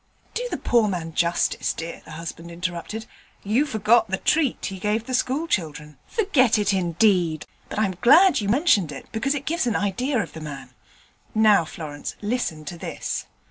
'Do the poor man justice, dear,' the husband interrupted. 'You forget the treat he gave the school children.' 'Forget it, indeed! But I'm glad you mentioned it, because it gives an idea of the man. Now, Florence, listen to this.